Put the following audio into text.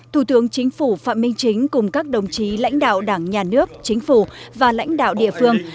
thủ tướng chính phủ phạm minh chính cùng các đồng chí lãnh đạo đảng nhà nước chính phủ và lãnh đạo địa phương